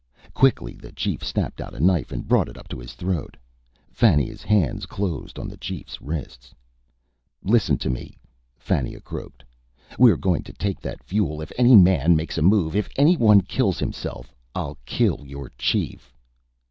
Quickly, the chief snapped out a knife and brought it up to his throat. Fannia's hands closed on the chief's wrists. "Listen to me," Fannia croaked. "We're going to take that fuel. If any man makes a move if anyone kills himself I'll kill your chief."